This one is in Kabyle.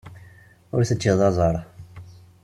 Ur teǧǧiḍ aẓar.